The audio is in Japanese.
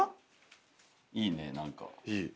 いいね何か。